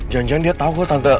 jangan jangan dia tau